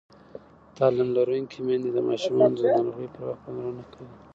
تعلیم لرونکې میندې د ماشومانو د ناروغۍ پر وخت پاملرنه کوي.